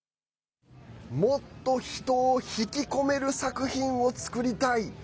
もっと人を引き込める作品を作りたい。